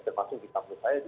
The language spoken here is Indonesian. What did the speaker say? termasuk di kampus saya